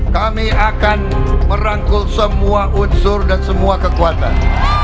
kami akan merangkul semua unsur dan semua kekuatan